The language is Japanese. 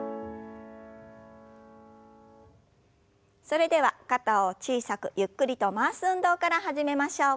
それでは肩を小さくゆっくりと回す運動から始めましょう。